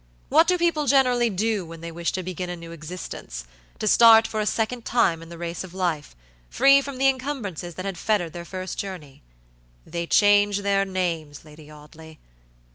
What do people generally do when they wish to begin a new existenceto start for a second time in the race of life, free from the incumbrances that had fettered their first journey. They change their names, Lady Audley.